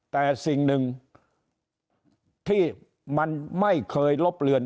แต่สิ่งหนึ่งที่มันไม่เคยลบเลือน